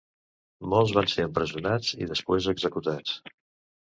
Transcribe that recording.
Molts van ser empresonats i després executats.